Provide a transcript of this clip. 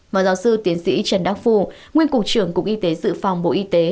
phó giáo sư tiến sĩ trần đắc phu nguyên cục trưởng cục y tế dự phòng bộ y tế